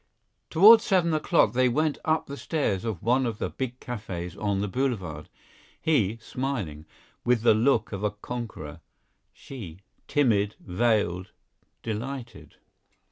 Toward seven o'clock they went up the stairs of one of the big cafes on the Boulevard, he, smiling, with the look of a conqueror, she, timid, veiled, delighted.